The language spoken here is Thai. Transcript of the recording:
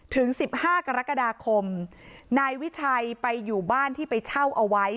ถึงสิบห้ากรกฎาคมนายวิชัยไปอยู่บ้านที่ไปเช่าเอาไว้